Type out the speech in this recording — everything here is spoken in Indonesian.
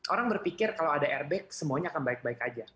orang berpikir kalau ada airbag semuanya akan baik baik aja